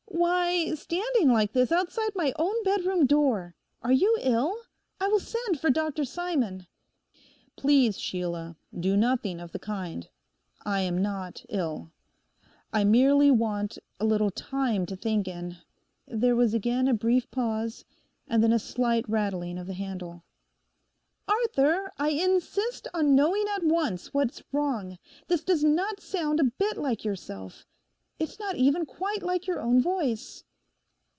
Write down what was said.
'Why, standing like this outside my own bedroom door. Are you ill? I will send for Dr. Simon.' 'Please, Sheila, do nothing of the kind. I am not ill. I merely want a little time to think in.' There was again a brief pause, and then a slight rattling at the handle. 'Arthur, I insist on knowing at once what's wrong; this does not sound a bit like yourself. It is not even quite like your own voice.